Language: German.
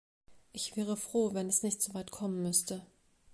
Ich wäre froh, wenn es nicht soweit kommen müsste.